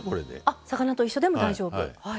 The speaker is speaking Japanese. あ魚と一緒でも大丈夫。